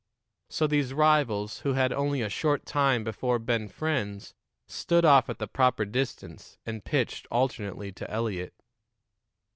So these rivals, who had only a short time before been friends, stood off at the proper distance and pitched alternately to Eliot.